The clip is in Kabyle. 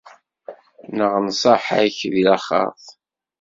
Neɣ nnṣaḥa-k di laxert.